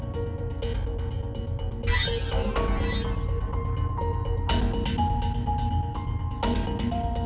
segera minta bama